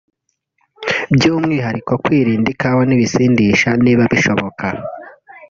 by’umwihariko kwirinda ikawa n’ibisindisha niba bishoboka